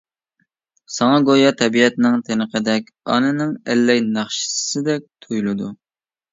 ساڭا گويا تەبىئەتنىڭ تىنىقىدەك، ئانىنىڭ ئەللەي ناخشىسىدەك تۇيۇلىدۇ.